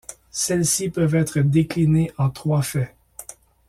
Celles-ci peuvent être déclinées en trois faits.